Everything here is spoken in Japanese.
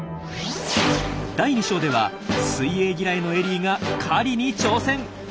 第２章では水泳嫌いのエリーが狩りに挑戦！